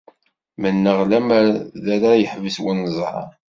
Mennaɣ lemmer d ara yeḥbes wenẓar.